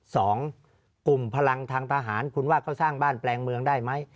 สองกลุ่มพลังทางทหารคุณว่าเขาสร้างบ้านแปลงเมืองได้ไหม